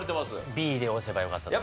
Ｂで押せばよかった。